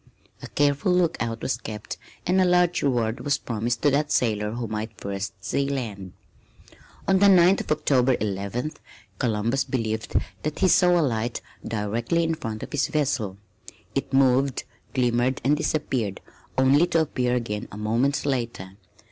A careful lookout was kept and a large reward was promised to that sailor who might first see land. On the night of October eleventh, Columbus believed that he saw a light directly in front of his vessel. It moved, glimmered, and disappeared, only to appear again a moment later.